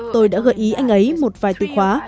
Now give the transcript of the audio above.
tôi đã gợi ý anh ấy một vài từ khóa